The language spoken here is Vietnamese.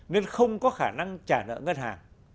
nên không có khả năng trả nợ ngân hàng